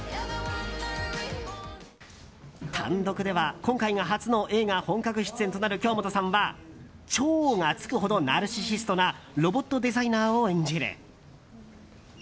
単独では今回が初の映画本格出演となる京本さんは超がつくほどナルシストなロボットデザイナーを演じる。